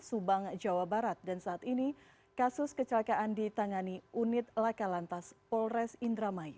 subang jawa barat dan saat ini kasus kecelakaan ditangani unit laka lantas polres indramayu